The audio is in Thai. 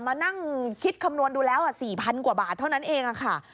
มานั่งคิดคำนวณดูแล้วอ่ะสี่พันกว่าบาทเท่านั้นเองอ่ะค่ะ